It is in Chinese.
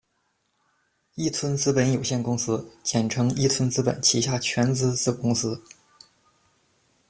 一村资本有限公司，简称“一村资本”旗下全资子公司。